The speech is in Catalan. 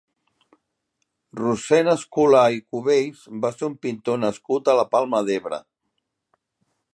Rossend Escolà i Cubells va ser un pintor nascut a la Palma d'Ebre.